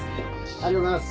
ありがとうございます。